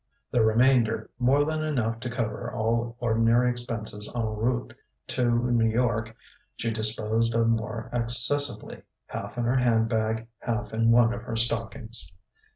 The remainder, more than enough to cover all ordinary expenses en route to New York, she disposed of more accessibly, half in her handbag, half in one of her stockings.